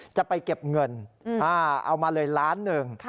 จะไปเก็บเงินเอามาเลยล้านหนึ่ง